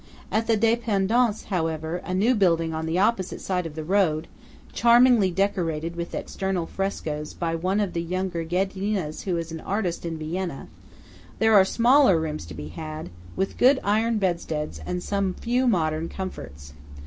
At the Dépendance, however–a new building on the opposite side of the road, charmingly decorated with external frescoes by one of the younger Ghedinas who is an artist in Vienna–there are smaller rooms to be had, with good iron bedsteads and some few modern comforts.